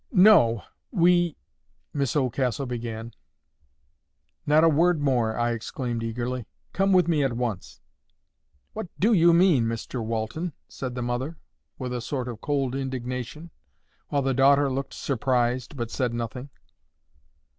"No. We—" Miss Oldcastle began. "Not a word more," I exclaimed eagerly. "Come with me at once." "What DO you mean, Mr Walton?" said the mother, with a sort of cold indignation, while the daughter looked surprised, but said nothing.